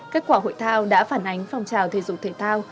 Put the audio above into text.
kết quả hội thao đã phản ánh phong trào thể dục thể thao